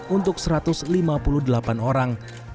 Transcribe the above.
untuk satu ratus lima puluh delapan orang